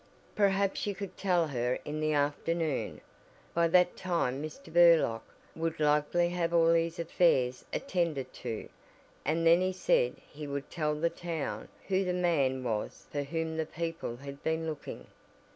Perhaps she could tell her in the afternoon, by that time Mr. Burlock would likely have all his affairs attended to and then he said he would tell the town who the man was for whom the people had been looking.